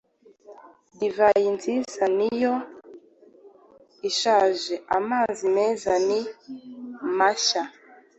Divayi nziza niyo ishaje, amazi meza ni mashya.